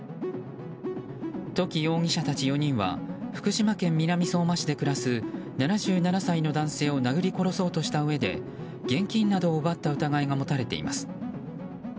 土岐容疑者たち４人は福島県南相馬市で暮らす７７歳の男性を殴り殺そうとしたうえで現金などを奪った疑いが持たれています。